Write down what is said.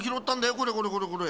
これこれこれこれ。